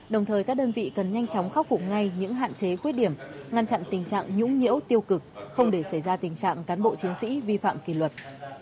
đồng thời các đơn vị cần nhanh chóng khắc phục ngay những hạn chế khuyết điểm ngăn chặn tình trạng nhũng nhiễu tiêu cực không để xảy ra tình trạng cán bộ chiến sĩ vi phạm kỳ luật